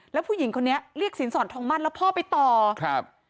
แล้วผู้หญิงคนนี้เรียกสินสอดทองมั่นแล้วพ่อไปต่อครับ